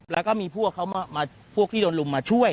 แล้วก็มีพวกเขามาพวกที่โดนลุมมาช่วย